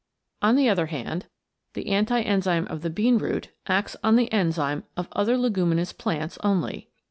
On the other hand, the anti enzyme of the bean root acts on the enzyme of other leguminous plants only.